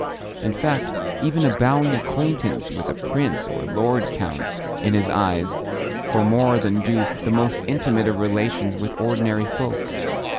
In fact, even a bowing acquaintance with a prince or a lord counts, in his eyes, for more than do the most intimate of relations with ordinary folk.